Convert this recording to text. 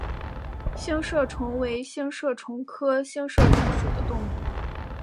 星射虫为星射虫科星射虫属的动物。